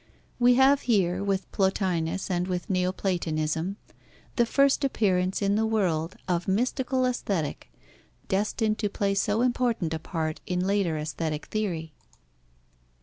We have here, with Plotinus and with Neoplatonism, the first appearance in the world of mystical Aesthetic, destined to play so important a part in later aesthetic theory.